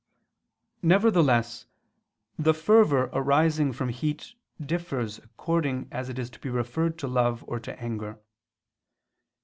Nevertheless, the fervor arising from heat differs according as it is to be referred to love or to anger.